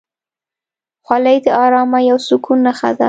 خولۍ د ارامۍ او سکون نښه ده.